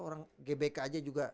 orang gbk aja juga